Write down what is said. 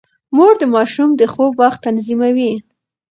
مور د ماشوم د خوب وخت تنظيموي.